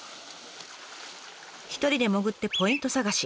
一人で潜ってポイント探し。